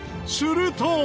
すると。